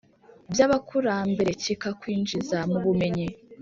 by’abakurambere kikakwinjiza mu bumenyi,